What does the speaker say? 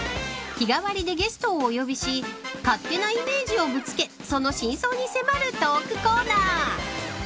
日替わりでゲストをお呼びし勝手なイメージをぶつけその真相に迫るトークコーナー。